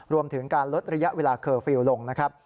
รวมถึงการลดระยะเวลาเคอร์ฟิลล์ลงนะครับ